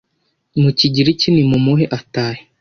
mu kigiriki ni mumuhe atahe